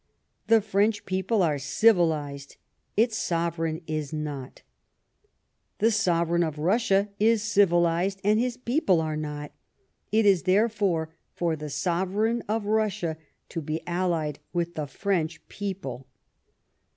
The French people are civilised, its sovereign is not; the sovereign of Eussia is civilised, and his people arc not; it is therefore for the eovercigu of Russia to be allied with the French people.' " D 34 LIFE OF PBINCE METTEBNICE.